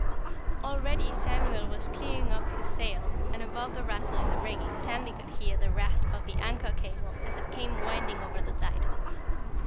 Already Samuel was clewing up his sail and above the rattle in the rigging Tandy could hear the rasp of the anchor cable as it came winding over the side.